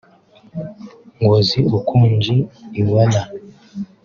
Ngozi Okonjo-Iweala